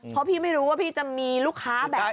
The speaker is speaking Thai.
เพราะพี่ไม่รู้ว่าพี่จะมีลูกค้าแบบนี้